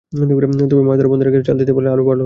তবে মাছ ধরা বন্ধের আগে চাল দিতে পারলে আরও ভালো হতো।